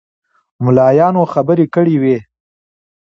ملایانو خبرې کړې وې.